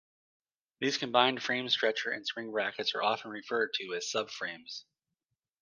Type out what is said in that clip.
These Combined Frame Stretcher and Spring Brackets are often referred to as "sub-frames".